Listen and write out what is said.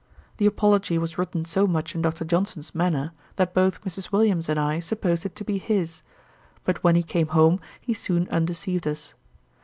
The apology was written so much in Dr. Johnson's manner, that both Mrs. Williams and I supposed it to be his; but when he came home, he soon undeceived us.